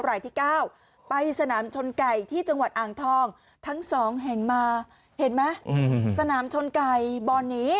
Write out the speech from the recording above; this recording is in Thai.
รายที่๙ไปสนามชนไก่ที่จังหวัดอ่างทองทั้งสองแห่งมาเห็นไหมสนามชนไก่บ่อนี้